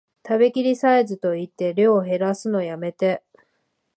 食べきりサイズと言って量へらすのやめて